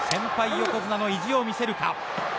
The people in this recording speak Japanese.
横綱の意地を見せるか。